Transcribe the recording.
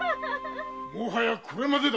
もはやこれまでだ。